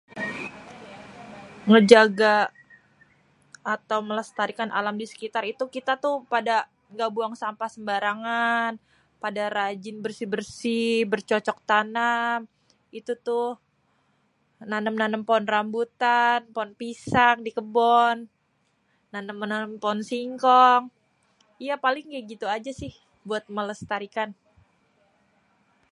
Ngejaga atau melestarikan alam di sekitar tuh kita tuh pada ga buang sampah sembarangan, pada rajin bersih-bersih, bercocok tanam, itu tuh nanêm nanêm pohon rambutan pohon pisang di kébon, nanêm nanêm pohon singkong yé paling gitu ajési buat melestarikan.